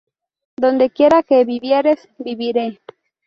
donde quiera que vivieres, viviré.